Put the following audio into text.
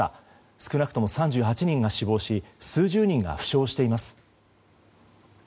少なくとも３８人が死亡し数十人が負傷しています。